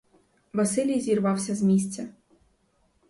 Василій зірвався з місця.